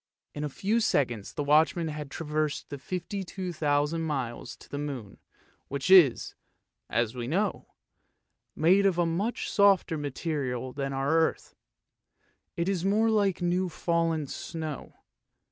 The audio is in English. In a few seconds the watchman had traversed the 52,000 miles to the moon, which is, as we know, made of a much softer material than our earth; it is more like new fallen snow.